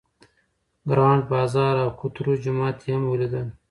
ګرانډ بازار او کوترو جومات یې هم ولیدل.